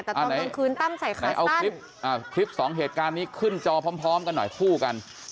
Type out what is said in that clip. แต่ตอนกลางคืนตั้มใส่ใครเอาคลิปคลิปสองเหตุการณ์นี้ขึ้นจอพร้อมกันหน่อยคู่กัน